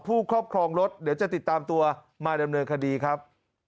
ครอบครองรถเดี๋ยวจะติดตามตัวมาดำเนินคดีครับ